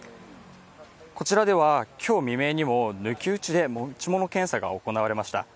こちらでは今日未明にも抜き打ちで持ち物検査が行われました。